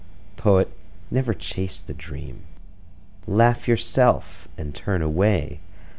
Poet, never chase the dream. Laugh yourself and turn away.